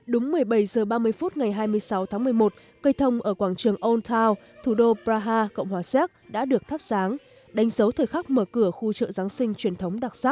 đúng một mươi bảy h ba mươi phút ngày hai mươi sáu tháng một mươi một cây thông ở quảng trường ôn town thủ đô praha cộng hòa xéc đã được thắp sáng đánh dấu thời khắc mở cửa khu chợ giáng sinh truyền thống đặc sắc